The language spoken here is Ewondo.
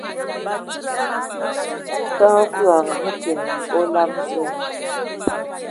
Ndɔ hm fɔɔ Kulu a ngakǝ timbi a olam Zǝǝ,